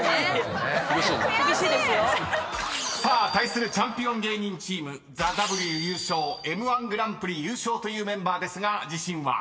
［対するチャンピオン芸人チームＴＨＥＷ優勝Ｍ−１グランプリ優勝というメンバーですが自信は？］